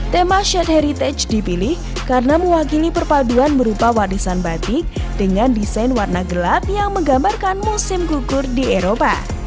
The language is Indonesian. tema shad heritage dipilih karena mewakili perpaduan berupa warisan batik dengan desain warna gelap yang menggambarkan musim gugur di eropa